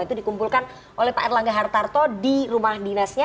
itu dikumpulkan oleh pak erlangga hartarto di rumah dinasnya